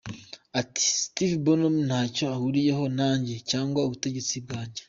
Ati “Steve Bannon ntacyo ahuriyeho nanjye cyangwa ubutegetsi bwanjye.